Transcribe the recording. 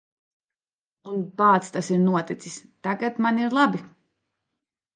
Un, bāc, tas ir noticis. Tagad man ir labi.